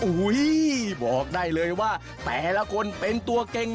โอ้โหบอกได้เลยว่าแต่ละคนเป็นตัวเก่ง